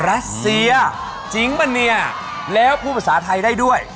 รัสเซียจิงปะเนียแล้วพูดภาษาไทยได้ด้วย